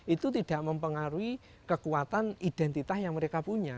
itu tidak mempengaruhi kekuatan identitas yang mereka punya